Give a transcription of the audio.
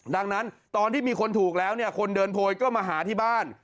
ดังนั้นตอนที่มีคนถูกแล้วเนี่ยคนเดินโพยก็มาหาที่บ้าน